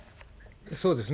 そうですね。